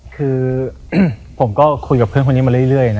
คือผมก็คุยกับเพื่อนคนนี้มาเรื่อยนะ